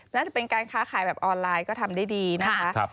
น่าจะเป็นการค้าขายแบบออนไลน์ก็ทำได้ดีนะคะ